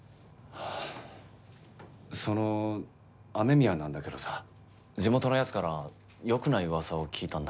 その雨宮なんだけどさ地元の奴から良くない噂を聞いたんだ。